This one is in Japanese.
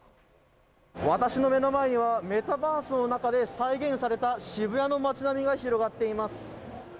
私の目の前にはメタバースの中で再現された渋谷の街並みが広がっています。